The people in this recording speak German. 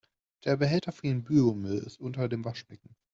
Der Behälter für den Biomüll ist unter dem Waschbecken.